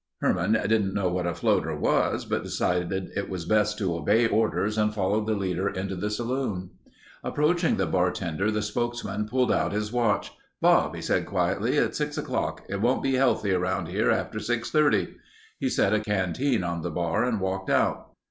Herman didn't know what a floater was, but decided it was best to obey orders and followed the leader into the saloon. Approaching the bartender, the spokesman pulled out his watch. "Bob," he said quietly. "It's six o'clock. It won't be healthy around here after 6:30." He set a canteen on the bar and walked out.